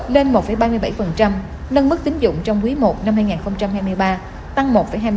lên một ba mươi bảy nâng mức tính dụng trong quý i năm hai nghìn hai mươi ba tăng một hai mươi sáu